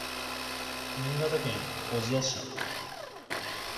新潟県小千谷市